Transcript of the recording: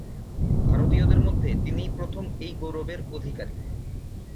ভারতীয়দের মধ্যে তিনিই প্রথম এই গৌরবের অধিকারী।